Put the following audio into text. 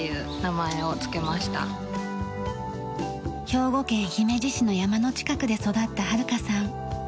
兵庫県姫路市の山の近くで育った晴香さん。